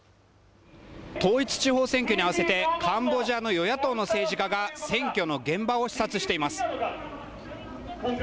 統一地方選挙に合わせて、カンボジアの与野党の政治家が、選挙の現場を視察しています。